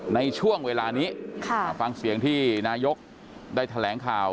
ในช่วงเวลานี้ฟังเสียงที่นายกได้แถลงข่าว